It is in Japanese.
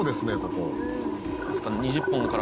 ここ」